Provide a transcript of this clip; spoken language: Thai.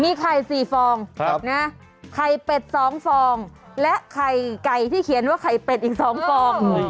มีไข่๔ฟองไข่เป็ด๒ฟองและไข่ไก่ที่เขียนว่าไข่เป็ดอีก๒ฟอง